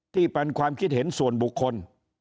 ที่เป็นความคิดเห็นส่วนบุคคล